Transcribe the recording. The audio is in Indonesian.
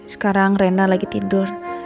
sekarang rena lagi tidur